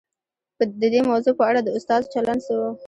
د دې موضوع په اړه د استازو چلند څه و؟